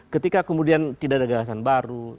ketika kemudian tidak ada gagasan baru